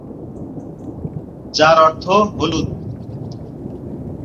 যার অর্থ হলুদ।